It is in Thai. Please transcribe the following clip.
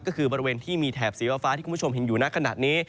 ก็คือบริเวณที่มีแถบสีฟ้าที่คุณผู้ชมเห็นอยู่ในขณะนี้